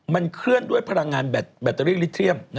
มันเคลื่อนด้วยพลังงานแบตเตอรี่ลิเทียม